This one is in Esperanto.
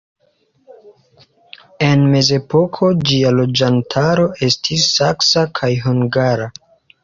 En mezepoko ĝia loĝantaro estis saksa kaj hungara.